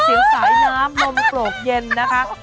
เสียงสายน้ำลมโปรกเย็นนะคะ